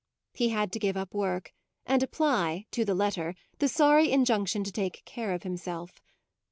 He had to give up work and apply, to the letter, the sorry injunction to take care of himself.